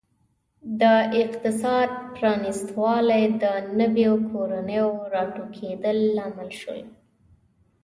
د اقتصاد پرانیستوالی د نویو کورنیو راټوکېدل لامل شول.